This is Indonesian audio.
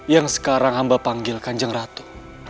yang sekarang hamba panggil kanjeng ratu